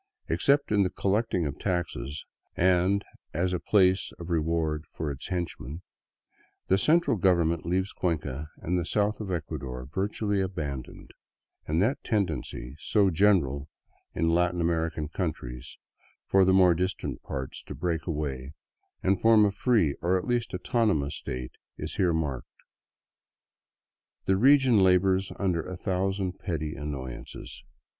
Except in the collecting of taxes and as a place of reward for its henchmen, the central government leaves Cuenca and the south of Ecuador virtually abandoned, and that tendency, so general in Latin American countries, for the more distant parts to break away and form a free, or at least autonomous state is here marked. The region labors under a thousand petty annoyances.